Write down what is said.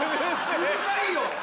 うるさいよ！